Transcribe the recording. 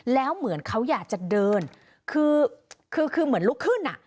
แล้วเหมือนเขาอยากจะเดินคือคือเหมือนลุกขึ้นอ่ะ